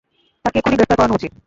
তাকে এক্ষুনি গ্রেফতার করানো উচিত!